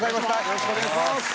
よろしくお願いします。